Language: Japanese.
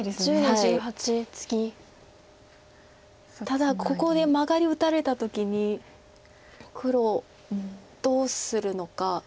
ただここでマガリ打たれた時に黒どうするのか。